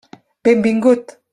Benvingut!